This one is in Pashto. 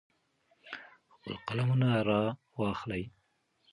خپل قلمونه را واخلئ.